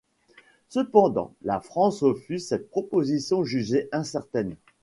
Cependant, la France refuse cette proposition jugée incertaine.